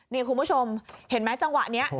นี่คุณผู้ชมเห็นไหมจังหวะนี้